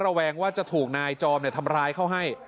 แวงว่าจะถูกนายจอมทำร้ายเขาให้